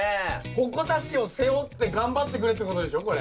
鉾田市を背負って頑張ってくれってことでしょこれ。